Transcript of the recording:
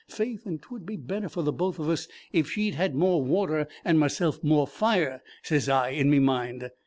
Faith, and 't would be better for the both of us if she had more water and meself more fire,' sez I in me mind.